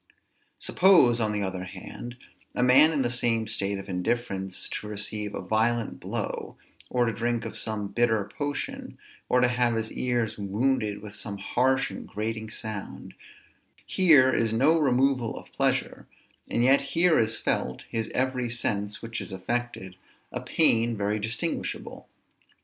Suppose, on the other hand, a man in the same state of indifference to receive a violent blow, or to drink of some bitter potion, or to have his ears wounded with some harsh and grating sound; here is no removal of pleasure; and yet here is felt, his every sense which is affected, a pain very distinguishable.